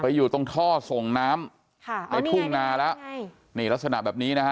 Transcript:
ไปอยู่ตรงท่อส่งน้ำค่ะเอาให้ทุ่งนาละนี่ลักษณะแบบนี้นะฮะ